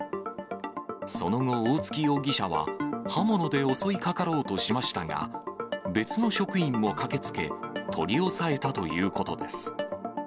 その後、大槻容疑者は刃物で襲いかかろうとしましたが、別の職員も駆けつけ、取り押さえたということです。